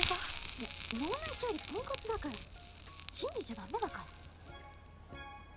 いや脳内調理ポンコツだから信じちゃダメだから。